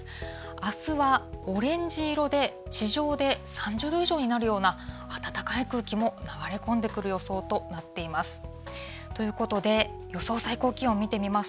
あすはオレンジ色で、地上で３０度以上になるような、暖かい空気も流れ込んでくる予想となっています。